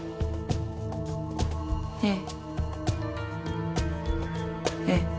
ええええ。